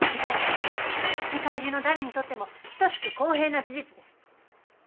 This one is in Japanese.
世界中の誰にとっても等しく公平な事実です。